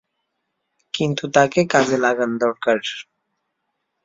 কিন্তু তাকে কাজে লাগান দরকার।